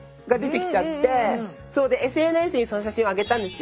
でＳＮＳにその写真を上げたんですよ。